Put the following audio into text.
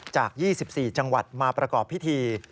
จาก๒๔จังหวัดมาประกอบพิธี